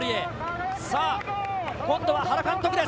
今度は原監督です。